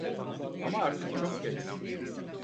Ama artık çok geç.